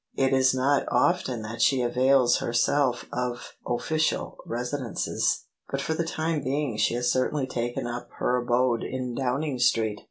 It is not often that she avails herself of official residences; but for the time being she has certainly taken up her abode in Downing Street."